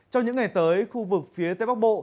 trong những ngày tới khu vực phía tây bắc bộ